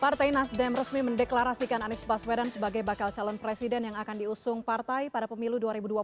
partai nasdem resmi mendeklarasikan anies baswedan sebagai bakal calon presiden yang akan diusung partai pada pemilu dua ribu dua puluh